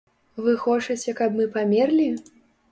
Вы хочаце, каб мы памерлі?!